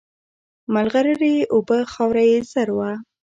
مرغلري یې اوبه خاوره یې زر وه